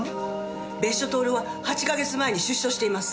別所透は８か月前に出所しています。